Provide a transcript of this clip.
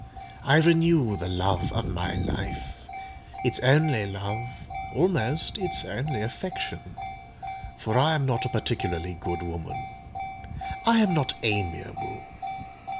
I renew the love of my life—its only love—almost its only affection; for I am not a particularly good woman: I am not amiable.